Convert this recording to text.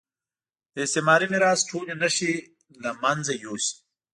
د استعماري میراث ټولې نښې له مېنځه یوسي.